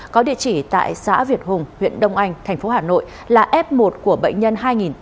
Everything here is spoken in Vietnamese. có địa chỉ tại xã việt hùng huyện đông anh thành phố hà nội là f một của bệnh nhân hai nghìn tám trăm chín mươi chín